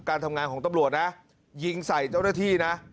การทำงานของตำรวจนะยิงใส่เจ้าหน้าที่นะ